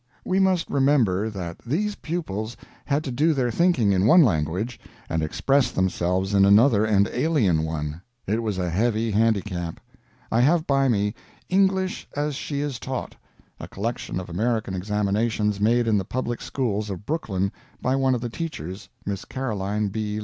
We must remember that these pupils had to do their thinking in one language, and express themselves in another and alien one. It was a heavy handicap. I have by me "English as She is Taught" a collection of American examinations made in the public schools of Brooklyn by one of the teachers, Miss Caroline B.